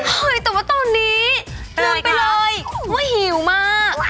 เฮ้ยแต่ว่าตอนนี้ลืมไปเลยว่าหิวมาก